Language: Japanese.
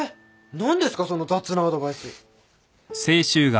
何ですかその雑なアドバイス。